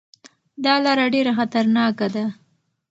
دا لاره ډېره خطرناکه ده.